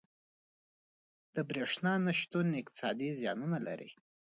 • د برېښنا نه شتون اقتصادي زیانونه لري.